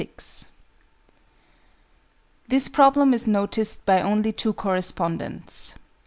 This problem is noticed by only two correspondents.